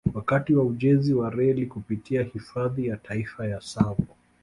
Wakati wa ujenzi wa reli kupitia Hifadhi ya Taifa ya Tsavo